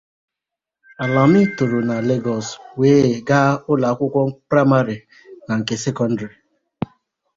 Alimi toro na Lagos wee gaa ụlọ akwụkwọ praịmarị na nke sekọndrị.